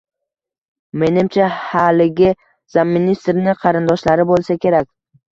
Menimcha haligi "zamministr"ni qarindoshlari bo‘lsa kerak